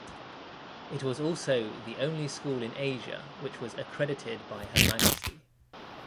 It was also the only school in Asia which was Accredited by Her Majesty.